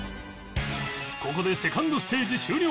ここで ２ｎｄ ステージ終了